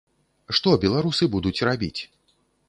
Што беларусы будуць рабіць?